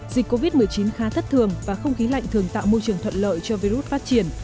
dịch covid một mươi chín khá thất thường và không khí lạnh thường tạo môi trường thuận lợi cho virus phát triển